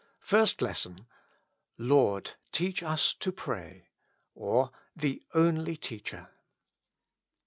FIRST I.BSSON. Lord, teach us to pray ; or, The Only Teacher.